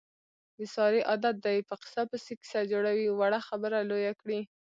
د سارې عادت دی، په قیصه پسې قیصه جوړوي. وړه خبره لویه کړي.